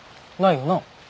ないよな？